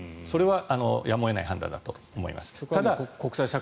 それはやむを得ない判断だと思います。